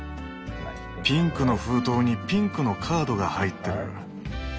ピンクの封筒にピンクのカードが入ってる。